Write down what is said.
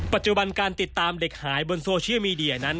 ปัจจุบันการติดตามเด็กหายบนโซเชียลมีเดียนั้น